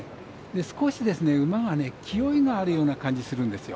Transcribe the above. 少し馬が気負いがあるような感じがするんですよ。